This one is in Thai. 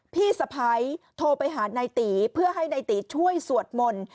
พี่สะพ้ายโทรไปหานายตีเพื่อให้นายตีช่วยสวดมนต์